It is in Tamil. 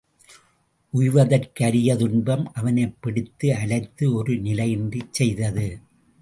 உய்வதற்கு அரிய துன்பம் அவனைப் பிடித்து அலைத்து ஒரு நிலையின்றிச் செய்தது.